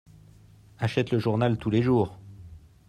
Achète le journal tous les jours.